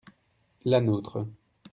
la nôtre.